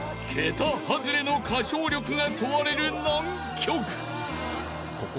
［桁外れの歌唱力が問われる難曲］